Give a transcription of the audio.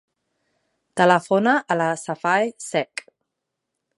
Telefona a la Safae Seck.